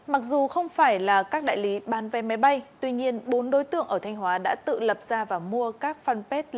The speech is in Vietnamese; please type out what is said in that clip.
mặc dù không phải là các đại lý bán vé máy bay tuy nhiên bốn đối tượng ở thanh hóa đã tự lập ra và mua các fanpage